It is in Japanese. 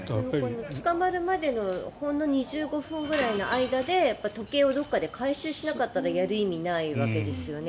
捕まるまでのほんの２５分くらいの間で時計をどこかで回収しなかったらやる意味ないわけですよね。